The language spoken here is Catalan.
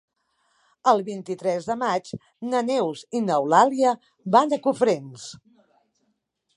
El vint-i-tres de maig na Neus i n'Eulàlia van a Cofrents.